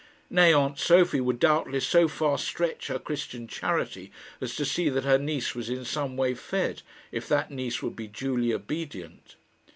Nay, aunt Sophie would doubtless so far stretch her Christian charity as to see that her niece was in some way fed, if that niece would be duly obedient.